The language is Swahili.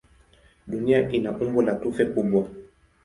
Dunia ina umbo la tufe kubwa.